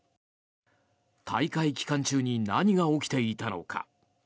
大会期間中に何が起きていたのか。